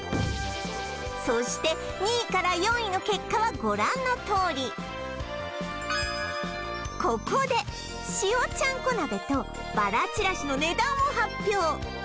そして２位から４位の結果はご覧のとおりここで塩ちゃんこ鍋とバラちらしの値段を発表